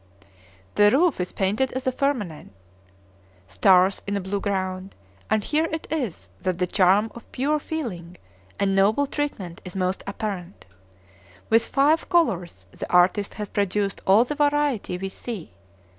The roof is painted as a firmament, stars in a blue ground; and here it is that the charm of pure feeling and noble treatment is most apparent. With five colors the artist has produced all the variety we see.